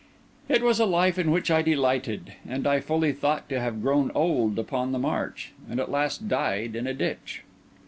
It was a life in which I delighted; and I fully thought to have grown old upon the march, and at last died in a ditch.